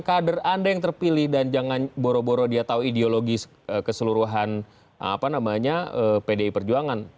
kader anda yang terpilih dan jangan boro boro dia tahu ideologi keseluruhan pdi perjuangan